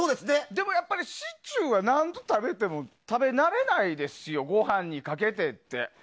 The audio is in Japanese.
でもやっぱりシチューは何度食べても食べ慣れないですしご飯にかけてって。